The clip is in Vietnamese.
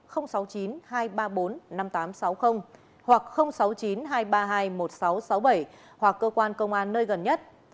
hoặc sáu mươi chín hai trăm ba mươi hai một nghìn sáu trăm sáu mươi bảy hoặc cơ quan công an nơi gần nhất